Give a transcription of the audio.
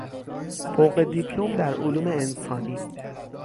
فوق دیپلم در علوم انسانی